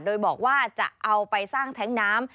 โดยบอกว่าจะเอาไปสร้างแท้งน้ำ